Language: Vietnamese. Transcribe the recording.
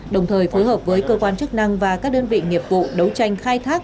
đồng thời phối hợp với cơ quan chức năng và các đơn vị nghiệp vụ đấu tranh khai thác